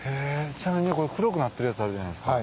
ちなみに黒くなってるやつあるじゃないですか。